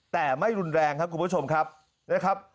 แต่ไม่รุนแรงครับคุณผู้ชมครับนะครับ